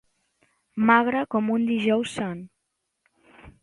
Magre com un Dijous Sant.